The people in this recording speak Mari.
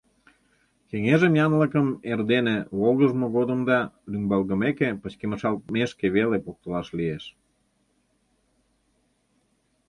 Кеҥежым янлыкым эрдене — волгыжмо годым да рӱмбалгымеке — пычкемышалтмешке веле поктылаш лиеш.